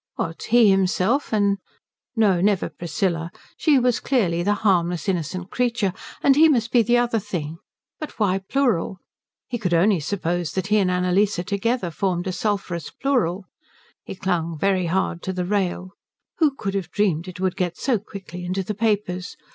What, himself and no, never Priscilla. She was clearly the harmless innocent creature, and he must be the other thing. But why plural? He could only suppose that he and Annalise together formed a sulphurous plural. He clung very hard to the rail. Who could have dreamed it would get so quickly into the papers?